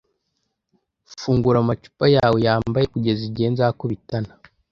Fungura amacupa yawe yambaye kugeza igihe nzakubitana,